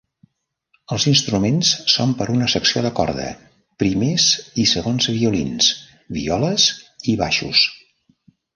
Els instruments són per a una secció de corda: primers i segons violins, violes i baixos..